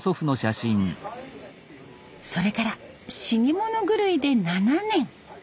それから死に物狂いで７年。